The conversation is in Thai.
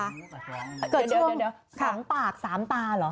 เดี๋ยว๒ปาก๓ตาเหรอ